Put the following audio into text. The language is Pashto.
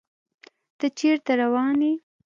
ته چيرته روان يې